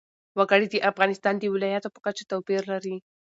وګړي د افغانستان د ولایاتو په کچه توپیر لري.